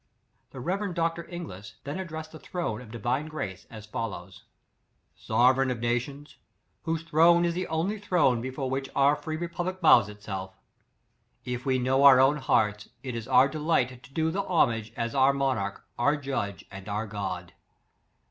The rev. Dr. Inglis, then addressed the throne of Divine Grace as follows: " Sovereign of nations^ whose throne is the only throne before which our free republic bows herself! If we know our own hearts, it is our delight to do the ho mage as our monarch, our judge, and our God.